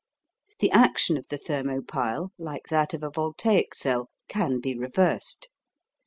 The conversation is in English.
The action of the thermo pile, like that of a voltaic cell, can be reversed.